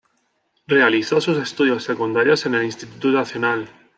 Realizó sus estudios secundarios en el Instituto Nacional.